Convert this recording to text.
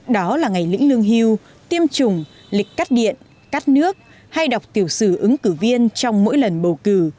đó là ngày lĩnh lương hưu tiêm chủng lịch cắt điện cắt nước hay đọc tiểu sử ứng cử viên trong mỗi lần bầu cử